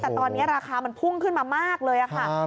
แต่ตอนนี้ราคามันพุ่งขึ้นมามากเลยค่ะ